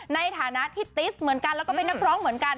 ในฐานะที่ติสเหมือนกันแล้วก็เป็นนักร้องเหมือนกัน